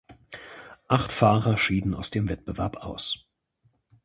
Acht Fahrer schieden aus dem Wettbewerb aus.